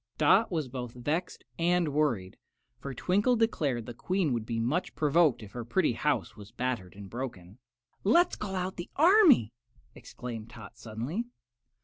Dot was both vexed and worried, for Twinkle declared the Queen would be much provoked if her pretty house was battered and broken. "Let's call out the army," exclaimed Tot, suddenly.